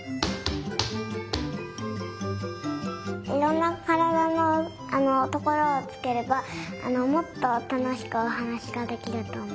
いろんなからだのところをつければもっとたのしくおはなしができるとおもったから。